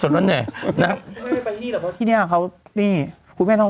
นี่ไม่ได้ไปที่นี้แต่เพราะไหน